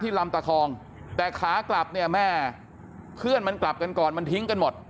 ลำตะคองแต่ขากลับเนี่ยแม่เพื่อนมันกลับกันก่อนมันทิ้งกันหมด